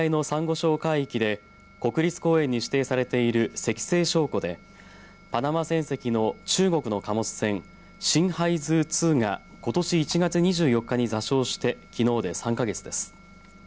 礁海域で国立公園に指定されている石西礁湖で、パナマ船籍の中国の貨物船シンハイズー２がことし１月２４日に座礁してきのうで３か月です。